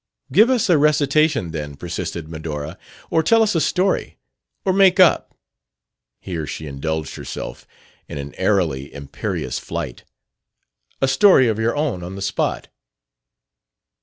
"Give us a recitation, then," persisted Medora; "or tell us a story. Or make up" here she indulged herself in an airily imperious flight "a story of your own on the spot."